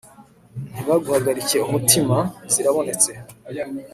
ntibiguhagarike umutima; zarabonetse